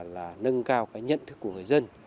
là nâng cao nhận thức của người dân